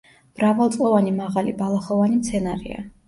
მრავალწლოვანი მაღალი ბალახოვანი მცენარეა.